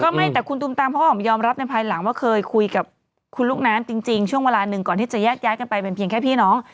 ไม่แต่คุณตุมตามเขาออกมายอมรับในภายหลังว่าเคยคุยกับคุณลูกน้ำจริงช่วงเวลาหนึ่งก่อนที่จะแยกย้ายกันไปเป็นเพียงแค่พี่น้อง